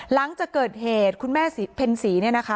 หลังจากเกิดเหตุคุณแม่เพ็ญศรีเนี่ยนะคะ